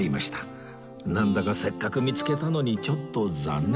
なんだかせっかく見つけたのにちょっと残念